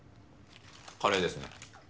カレーですね。